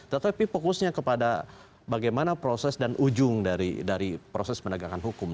tetapi fokusnya kepada bagaimana proses dan ujung dari proses penegakan hukum